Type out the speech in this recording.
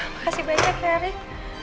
makasih banyak ya rick